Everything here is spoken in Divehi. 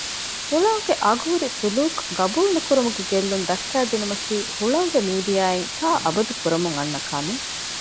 ހުޅަނގުގެ އަގުހުރި ސުލޫކު ގަބޫލު ނުކުރުމުގެ ގެއްލުން ދައްކައިދިނުމަކީ ހުޅަނގުގެ މީޑިއާއިން ތާއަބަދު ކުރަމުން އަންނަ ކަމެއް